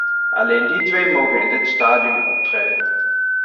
Alleen die twee mogen in dit stadium optreden.